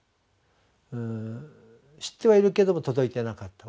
知ってはいるけども届いてなかった。